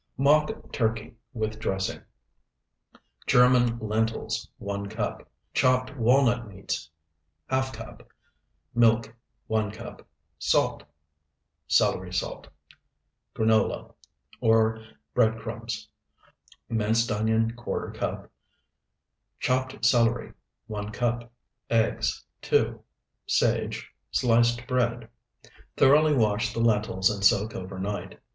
MOCK TURKEY WITH DRESSING German lentils, 1 cup. Chopped walnut meats, ½ cup. Milk, 1 cup. Salt. Celery salt. Granola or bread crumbs. Minced onion, ¼ cup. Chopped celery, 1 cup. Eggs, 2. Sage. Sliced bread. 1. Thoroughly wash the lentils and soak overnight.